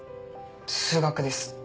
数学です。